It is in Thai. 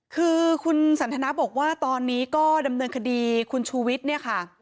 คือคุณสันทนาบอกว่าตอนนี้ก็ดำเนินคดีคุณชูวิทย์เนี่ยค่ะ